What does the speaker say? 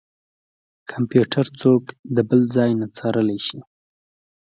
کمپيوټر څوک د بل ځای نه څارلی شي.